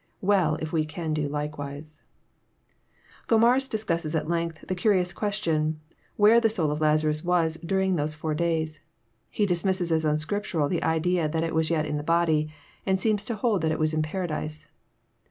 Well if we can do likewise ! Gomarus discusses at length the curious question, where the soul of Lazarus was during those four days. He dismisses as unscriptural the idea that it was yet in the body, and seems to hold that it was in Paradise.